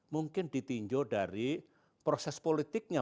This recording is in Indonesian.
mungkin ditinjau dari proses politiknya